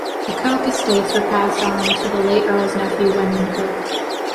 The Coke estates were passed on to the late Earl's nephew Wenman Coke.